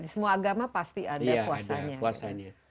semua agama pasti ada puasanya